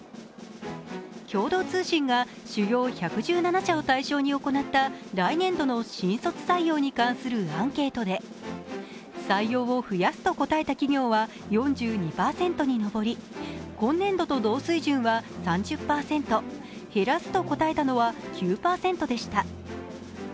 共同通信が主要１１７社を対象に行った来年度の新卒採用に関するアンケートで採用を増やすと答えた企業は４２％に上り、今年度と同水準は３０％、減らすと答えたのは９％でした。